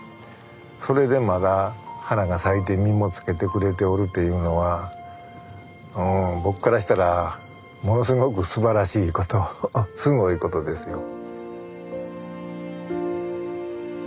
それでまだ花が咲いて実もつけてくれておるというのはうん僕からしたらものすごくすばらしいことすごいことですよ。